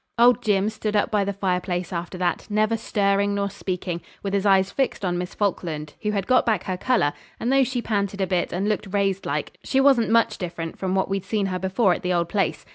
Old Jim stood up by the fireplace after that, never stirring nor speaking, with his eyes fixed on Miss Falkland, who had got back her colour, and though she panted a bit and looked raised like, she wasn't much different from what we'd seen her before at the old place.